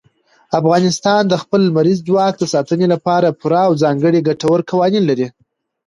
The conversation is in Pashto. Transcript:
افغانستان د خپل لمریز ځواک د ساتنې لپاره پوره او ځانګړي ګټور قوانین لري.